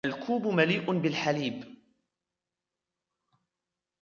الكوب مليء بالحليب.